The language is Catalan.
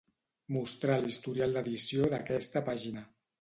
Mostrar l'historial d'edició d'aquesta pàgina.